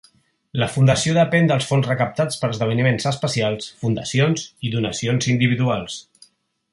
La Fundació depèn dels fons recaptats per esdeveniments especials, fundacions i donacions individuals.